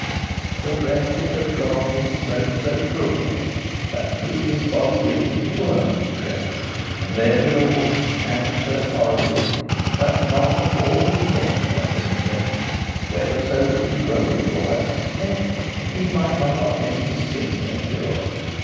The wreche* of God him smote so cruelly, *vengeance That through his body wicked wormes crept, And therewithal he stank so horribly That none of all his meinie* that him kept, *servants Whether so that he woke or elles slept, Ne mighte not of him the stink endure.